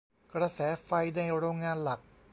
กระแสไฟในโรงงานหลัก